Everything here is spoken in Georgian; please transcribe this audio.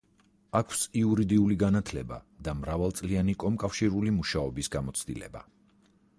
აქვს იურიდიული განათლება და მრავალწლიანი კომკავშირული მუშაობის გამოცდილება.